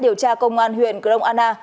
điều tra công an huyện grongana